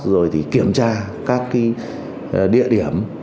rồi thì kiểm tra các địa điểm